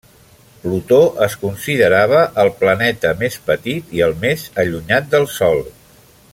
Plutó es considerava el planeta més petit i el més allunyat del Sol.